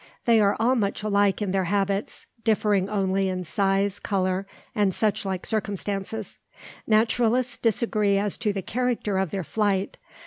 They are all much alike in their habits, differing only in size, colour, and such like circumstances. Naturalists disagree as to the character of their flight.